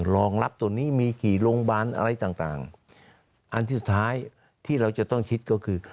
รองรับตัวนี้มีกี่โรงพยาบาลอะไรต่างต่างอันที่สุดท้ายที่เราจะต้องคิดก็คือ